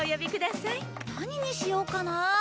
何にしようかな。